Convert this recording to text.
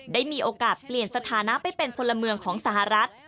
ได้มีโอกาสเปลี่ยนสถานะไปเป็นพลเมืองของสหรัฐ